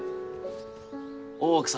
大奥様